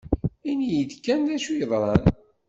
Ini-yi-d kan d acu yeḍran!